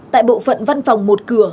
tại bộ phận văn phòng một cửa